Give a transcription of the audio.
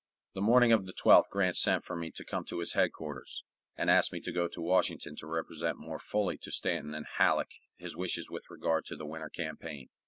The morning of the 12th Grant sent for me to come to his headquarters, and asked me to go to Washington to represent more fully to Stanton and Halleck his wishes with regard to the winter campaign.